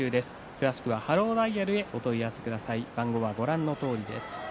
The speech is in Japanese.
詳しくはハローダイヤルへお問い合わせください。